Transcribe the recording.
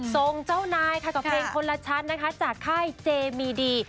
เจ้านายค่ะกับเพลงคนละชั้นนะคะจากค่ายเจมีดี